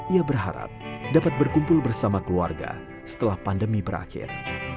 ia berharap dapat berkumpul bersama keluarga setelah pandemi berakhir